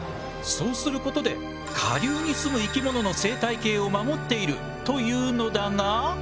そうすることで下流にすむ生き物の生態系を守っているというのだが。